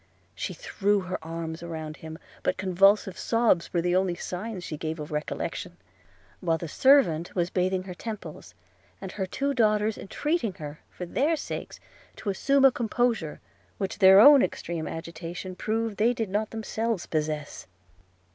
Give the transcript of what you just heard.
She threw her arms round him, but convulsive sobs were the only signs she gave of recollection; while the servant was bathing her temples, and her two daughters entreating her, for their sakes, to assume a composure, which their own extreme agitation proved they did not themselves possess.